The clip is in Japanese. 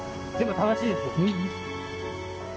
楽しいですよ。